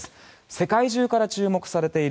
世界中から注目されている。